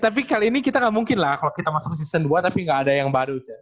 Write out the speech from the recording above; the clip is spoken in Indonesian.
tapi kali ini kita gak mungkin lah kalo kita masuk season dua tapi gak ada yang baru